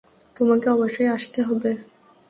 তোমাকে অবশ্যই আসতে হবে।